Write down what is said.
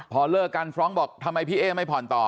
พอเลิกกันฟรองก์บอกทำไมพี่เอ๊ไม่ผ่อนต่อ